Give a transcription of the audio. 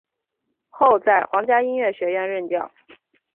后曾在皇家音乐学院任教。